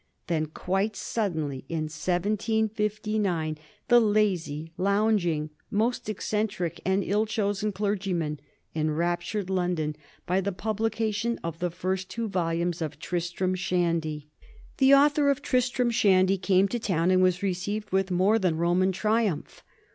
Then quite suddenly, in 1759, the lazy, lounging, most eccentric, and ill chosen clergy man enraptured London by the publication of the first two volumes of " Tristram Shandy." The author of "Tristram Shandy" came to town, and was received with more than Roman triumph.